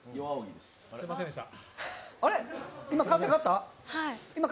すみませんでした。